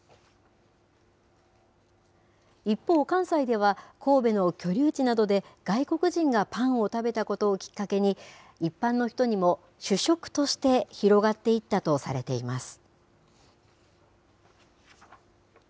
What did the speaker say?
一方、関西では、神戸の居留地などで外国人がパンを食べたことをきっかけに、一般の人にも主食として広がっていったとされています。